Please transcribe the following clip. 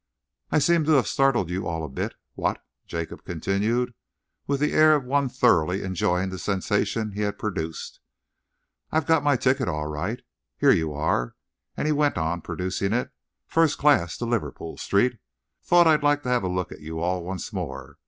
"I seem to have startled you all a bit, what?" Jacob continued, with the air of one thoroughly enjoying the sensation he had produced. "I've got my ticket all right. Here you are," he went on, producing it, "first class to Liverpool Street. Thought I'd like to have a look at you all once more.